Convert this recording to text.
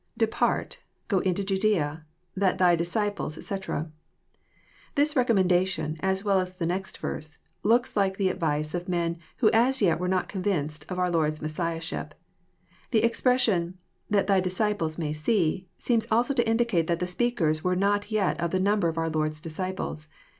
lDepart.,.ffo into Judcea, that thy disciples^ etc.'] This recom mendation, as well as the next verse, looks like the advice of men who as yet were not convinced of our Lord's Messiahship. The expression <Hhat Thy disciples may see," seems also to indicate that the speakers were not yet of the number of our Lord's disciples.